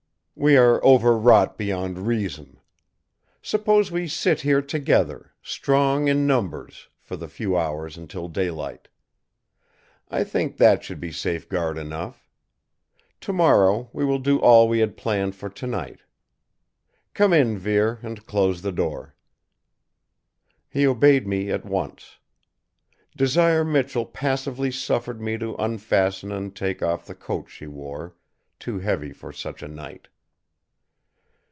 We are overwrought beyond reason. Suppose we sit here together, strong in numbers, for the few hours until daylight? I think that should be safeguard enough. Tomorrow we will do all we had planned for tonight. Come in, Vere, and close the door." He obeyed me at once. Desire Michell passively suffered me to unfasten and take off the coat she wore, too heavy for such a night.